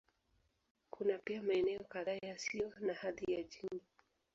Kuna pia maeneo kadhaa yasiyo na hadhi ya jimbo.